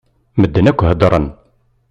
Medden akk heddṛen.